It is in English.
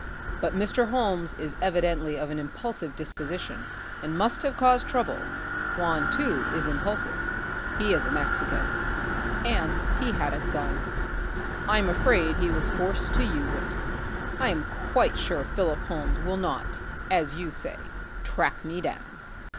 But Mr. Holmes is evidently of an impulsive disposition, and must have caused trouble. Juan, too, is impulsive; he is a Mexican. And he had a gun. I'm afraid he was forced to use it.... I am quite sure Philip Holmes will not, as you say, track me down."